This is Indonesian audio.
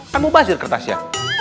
kamu bahas ya kertasnya